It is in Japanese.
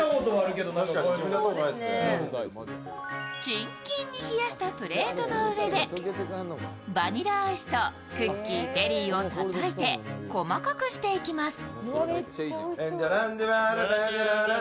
キンキンに冷やしたプレートの上でバニラアイスとクッキー、ベリーをたたいて細かくしていきます。